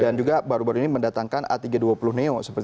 dan juga baru baru ini mendatangkan a tiga ratus dua puluh sembilan ratus er